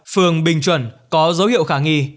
phường bình chuẩn có dấu hiệu khả nghi